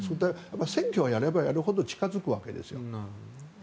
選挙はやればやるほど近付くわけですよ。